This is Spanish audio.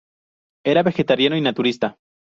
Era vegetariano y naturista.